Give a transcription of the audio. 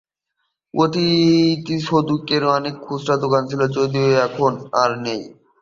অতীতে সোদুসের অনেক খুচরা দোকান ছিল, যদিও এখন আর নেই।